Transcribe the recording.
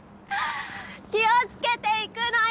気をつけて行くのよ！